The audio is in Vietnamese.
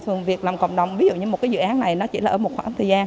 thường việc làm cộng đồng ví dụ như một cái dự án này nó chỉ là ở một khoảng thời gian